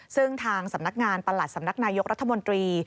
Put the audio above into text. ซึ่งทางสำนักงานประหลัดสำนักนายกรัฐมนตรี